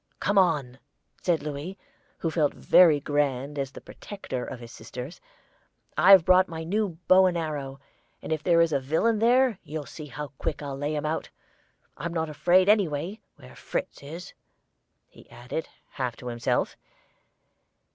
"Come on," said Louis, who felt very grand as the protector of his sisters; "I've brought my new bow and arrow, and if there is a villain there, you'll see how quick I'll lay him out. I'm not afraid, anyway, where Fritz is," he added, half to himself.